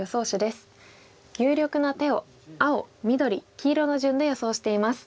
有力な手を青緑黄色の順で予想しています。